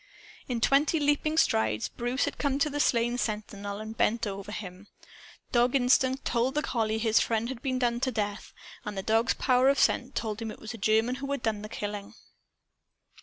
In twenty leaping strides, Bruce came up to the slain sentinel and bent over him. Dog instinct told the collie his friend had been done to death. And the dog's power of scent told him it was a German who had done the killing.